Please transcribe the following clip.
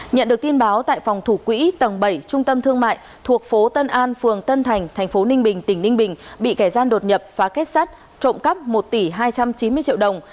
nhận được tin báo tại phòng thủ quỹ tầng bảy trung tâm thương mại thuộc phố tân an phường tân thành thành phố ninh bình tỉnh ninh bình bị kẻ gian đột nhập phá kết sắt trộm cắp một tỷ hai trăm chín mươi triệu đồng